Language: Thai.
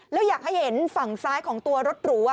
แล้วอยากให้เห็นฝั่งซ้ายของตัวรถหรู